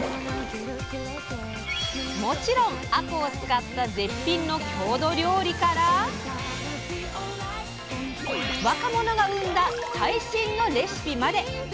もちろんあこうを使った絶品の郷土料理から若者が生んだ最新のレシピまで！